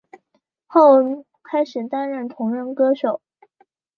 后开始担任同人歌手。